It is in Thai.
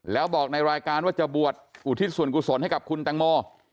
แล้วบอกในรายการว่าจะบวชอุทิศส่วนกุศลให้กับคุณแตงโม